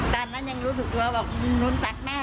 ตามนั้นยังรู้สึกว่านุ้นตัดแม่สิ